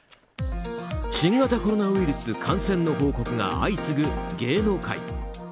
新型コロナウイルス感染の報告が相次ぐ芸能界。